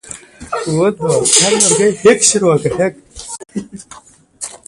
د ایمان او اعتقاد له امله هم دا کار کېدای شي